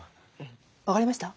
分かりました？